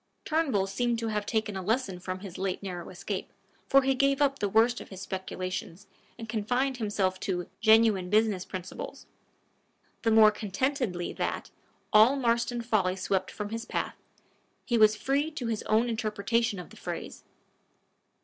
Turnbull seemed to hare taken a lesson from his late narrow escape, for he gave up the worst of his speculations, and confined himself to "genuine business principles" the more contentedly that, all Marston folly swept from his path, he was free to his own interpretation of the phrase.